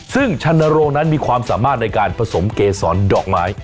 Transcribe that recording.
ซึ่งชันโรงนั้นมีความสามารถในการผสมเกษรดอกไม้